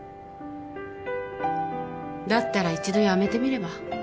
だったら一度辞めてみれば？